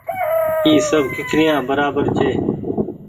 اي سب ڪيکريآن برابر ڇي۔